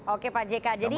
oke pak jk jadi